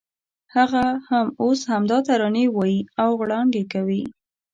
هغه هم اوس همدا ترانې وایي او غړانګې کوي.